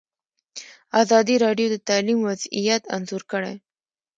ازادي راډیو د تعلیم وضعیت انځور کړی.